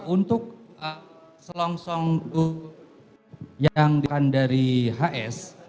untuk selongsong yang dan dari hs